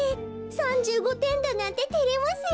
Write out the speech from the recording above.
３５てんだなんててれますよ。